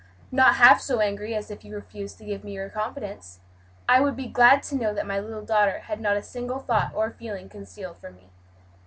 "Not half so angry as if you refuse to give me your confidence. I would be glad to know that my little daughter had not a single thought or feeling concealed from me."